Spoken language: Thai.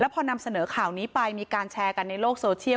พอนำเสนอข่าวนี้ไปมีการแชร์กันในโลกโซเชียล